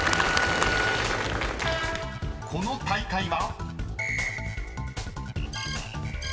［この大会は？］